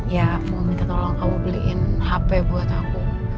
ya mau minta tolong kamu beliin hp buat aku